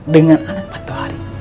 dengan anak patuh hari